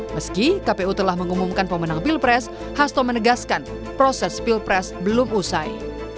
meski kpu telah mengumumkan pemenang pilpres hasto menegaskan proses pilpres belum usai